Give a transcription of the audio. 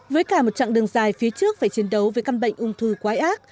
với cả một chặng đường dài phía trước phải chiến đấu với căn bệnh ung thư quái ác